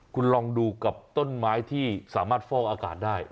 คุณลองดูกับต้นไม้ที่สามารถฟอกอากาศได้